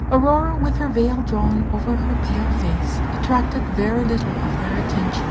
Aurora, with her veil drawn over her pale face, attracted very little of their attention.